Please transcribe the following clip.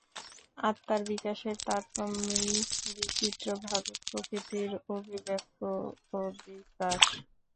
আত্মার বিকাশের তারতম্যেই বিচিত্রভাবে প্রকৃতির অভিব্যক্ত ও বিকাশ।